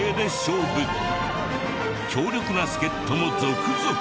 強力な助っ人も続々。